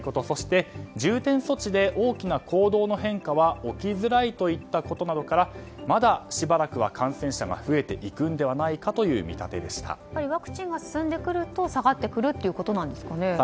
そして、重点措置で大きな行動の変化は起きづらいといったことなどからまだ、しばらくは感染者が増えていくのではワクチンが進んでくると下がってくるってことですかね？